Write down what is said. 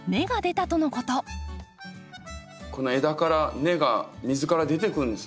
この枝から根が水から出てくるんですね。